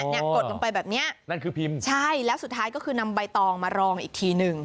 กดลงไปแบบเนี้ยนั่นคือพิมพ์ใช่แล้วสุดท้ายก็คือนำใบตองมารองอีกทีหนึ่ง